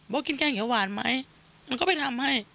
กินแกงเขียวหวานไหมมันก็ไปทำให้